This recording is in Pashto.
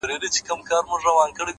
پوهه د انسان ستره شتمني ده,